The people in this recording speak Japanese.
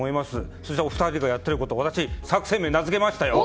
そして、やっていることに私、作戦名を名付けましたよ。